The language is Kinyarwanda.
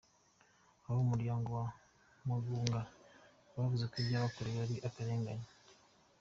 Abo mu muryango wa Mugunga bavuga ko ibyabakorewe ari akarenganyo